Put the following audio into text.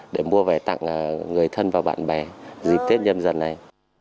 để mua về tặng người thân và bạn bè dịp tết nhân dân này